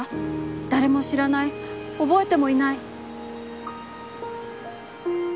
だれも知らない、おぼえてもいない！